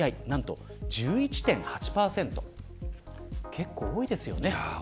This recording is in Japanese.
結構多いですよね。